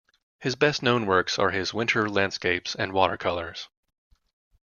His best-known works are his winter landscapes and watercolours.